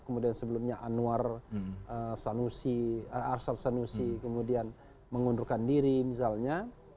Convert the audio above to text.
kemudian sebelumnya anwar arshad sanusi kemudian mengundurkan diri misalnya